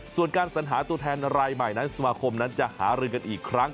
ส่วนการสัญหาตัวแทนรายใหม่นั้นสมาคมนั้นจะหารือกันอีกครั้ง